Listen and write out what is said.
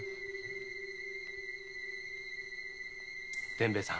伝兵衛さん